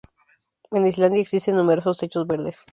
En Islandia existen numerosos techos verdes.